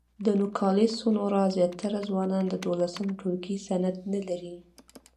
د نوګالس سونورا زیاتره ځوانان د دولسم ټولګي سند نه لري.